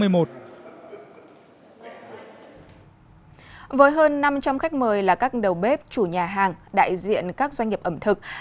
với hơn năm trăm linh khách mời là các đầu bếp chủ nhà hàng đại diện các doanh nghiệp ẩm thực